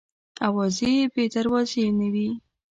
اوازې بې دروازې نه وي.